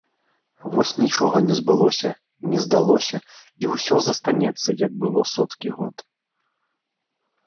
Вось нічога не збылося, не здалося, і ўсё застанецца, як было соткі год.